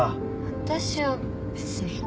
私は別に。